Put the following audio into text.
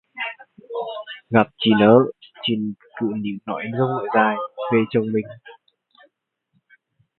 Gặp chị nớ, chị cứ níu nói dông nói dài, về chồng mình